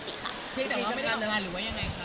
จริงแต่ว่าน้องไม่ได้กำไรหรือว่ายังไงคะ